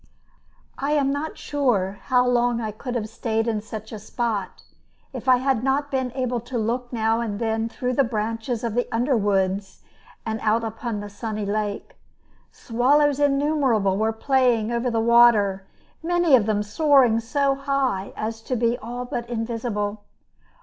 I am not sure how long I could have stayed in such a spot, if I had not been able to look now and then through the branches of the under woods out upon the sunny lake. Swallows innumerable were playing over the water, many of them soaring so high as to be all but invisible.